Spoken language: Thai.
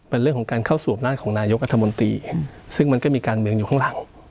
เป็นเรื่องของการเข้าสู่อำนาจของนายกรัฐมนตรีซึ่งมันก็มีการเมืองอยู่ข้างหลัง